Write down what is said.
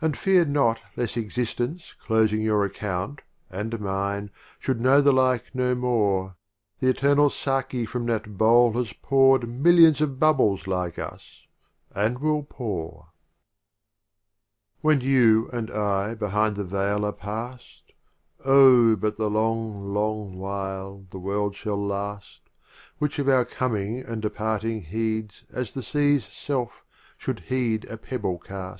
XLVI. And fear not lest Existence closing your Account, and mine, should know the like no more; The Eternal Saki from that Bowl has pour'd Millions of Bubbles like us, and will pour. XLVII. When You and I behind the Veil are past, Oh, but the long, long while the World shall last, Which of our Coming and De parture heeds As the Sea's self should heed a pebble cast.